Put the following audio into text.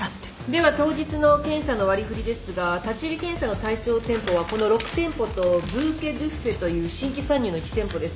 では当日の検査の割り振りですが立入検査の対象店舗はこの６店舗とブーケドゥッフェという新規参入の１店舗です。